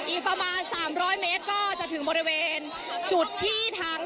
อีกประมาณ๓๐๐เมตรก็จะถึงบริเวณจุดที่ทาง